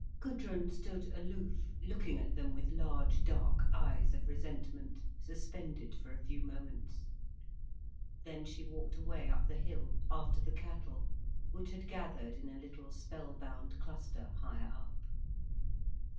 Gudrun stood aloof looking at them with large dark eyes of resentment, suspended for a few moments. Then she walked away up the hill, after the cattle, which had gathered in a little, spell bound cluster higher up.